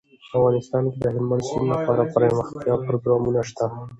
افغانستان کې د هلمند سیند لپاره دپرمختیا پروګرامونه شته.